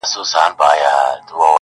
o زه نه كړم گيله اشــــــــــــنا.